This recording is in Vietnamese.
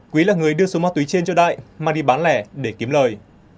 quý là người đưa số ma túy trên cho đại mang đi bán lẻ để kiếm lời